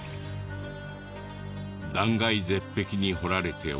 断崖絶壁に彫られており